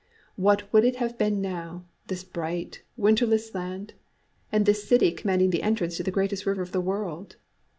What would it have been now this bright, winterless land, and this city commanding the entrance to the greatest river in the world?